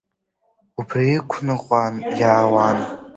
Убри иқәныҟәан иаауан.